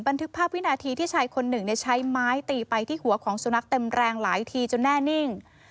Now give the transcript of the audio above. บันทึกภาพวินาทีที่ชายคนหนึ่งใช้ไม้ตีไปที่หัวของสุนัขเต็มแรงหลายทีจนแน่นิ่ง